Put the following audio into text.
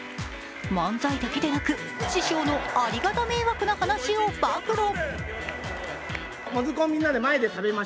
漫才だけでなく、師匠のありがた迷惑な話を暴露。